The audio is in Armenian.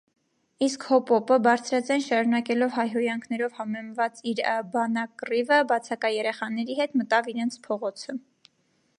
Իսկ Հոպոպը, բարձրաձայն շարունակելով հայհոյանքներով համեմված իր բանակռիվը բացակա երեխաների հետ, մտավ իրենց փողոցը: